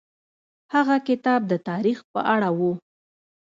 هغه کتاب د تاریخ په اړه و.